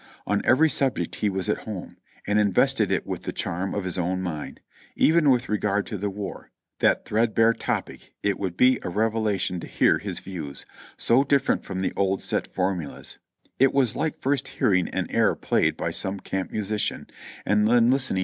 On every subject he was at home, and invested it with the charm of his own mind ; even with regard to the war, that threadbare topic, it would be a revelation to hear his views, so different from the old set formulas ; it was like first hearing an air played by some camp musician, and then listening to its THE HON.